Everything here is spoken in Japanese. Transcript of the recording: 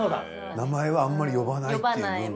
名前はあんまり呼ばないっていう文化。